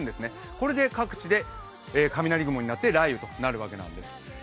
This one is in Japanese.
これで各地で雷雲になって雷雨となるわけなんです。